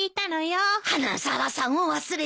花沢さんを忘れてた。